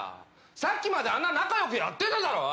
さっきまで仲よくやってただろ。